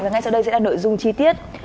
và ngay sau đây sẽ là nội dung chi tiết